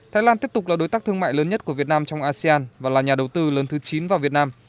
thái lan tiếp tục là đối tác thương mại lớn nhất của việt nam trong asean và là nhà đầu tư lớn thứ chín vào việt nam